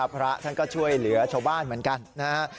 พระท่านก็ช่วยเหลือชาวบ้านเหมือนกันนะฮะ